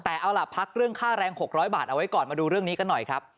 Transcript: แต่เอาล่ะพักเรื่องค่าแรง๖๐๐บาทเอาไว้ก่อนมาดูเรื่องนี้กันหน่อยครับ